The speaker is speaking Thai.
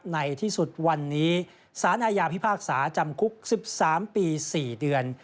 ในที่สุดวันนี้สารอาญาพิพากษาจำคุก๑๓ปี๔เดือน